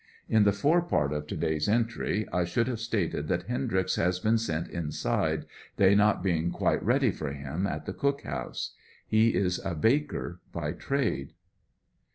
In the fore part of to day's entry I should have stated that Hendryx has been sent inside, they not being quite ready for him at the cookhouse. He is a baker by trade.